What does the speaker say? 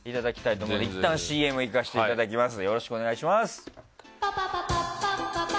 いったんＣＭいかせていただきます。